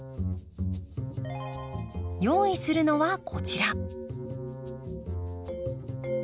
用意するのはこちら。